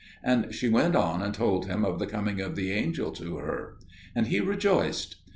And she went on and told him of the coming of the angel to her. And he rejoiced.